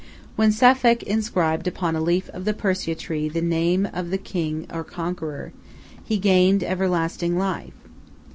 When Safekh inscribed upon a leaf of the Persea tree the name of king or conqueror, he gained everlasting life.